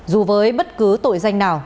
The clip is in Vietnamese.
dù với bất cứ tội danh nào